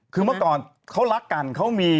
คือเมื่อก่อนเขารักกันเขามี